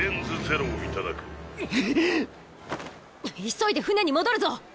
急いで船に戻るぞ！